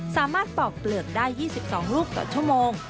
สามารถปอกเปลืองได้๒๒ลูกต่อชั่วโมง